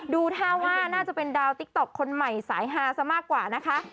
ดูท่าว่าน่าจะเป็นดาวติ๊กต๊อกคนใหม่สายฮาซะมากกว่านะคะ